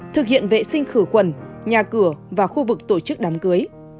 thực hiện vệ sinh khử quẩn nhà cửa và khu vực tổ chức đám cưới